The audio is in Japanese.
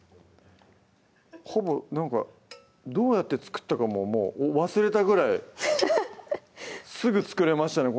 ほぼなんかどうやって作ったかももう忘れたぐらいすぐ作れましたね